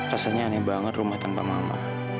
rasanya aneh banget rumah tanpa mama